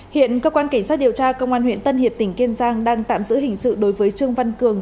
hiện cơ quan cảnh sát điều tra công an huyện tân hiệp tỉnh kiên giang đang tạm giữ hình sự đối với trương văn cường